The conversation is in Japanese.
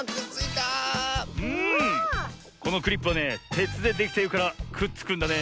このクリップはねてつでできているからくっつくんだね。